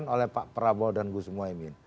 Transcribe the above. oleh pak prabowo dan gus muhaymin